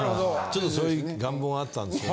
ちょっとそういう願望があったんです。